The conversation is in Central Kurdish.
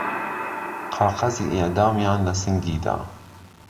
قاقەزی ئیعدامیان له سنگی دا